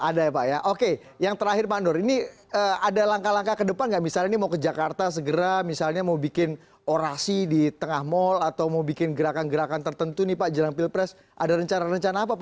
ada ya pak ya oke yang terakhir pak nur ini ada langkah langkah ke depan nggak misalnya ini mau ke jakarta segera misalnya mau bikin orasi di tengah mall atau mau bikin gerakan gerakan tertentu nih pak jelang pilpres ada rencana rencana apa pak